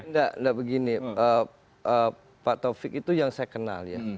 enggak enggak begini pak taufik itu yang saya kenal ya